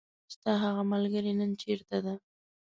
ستاهغه ملګری نن چیرته ده .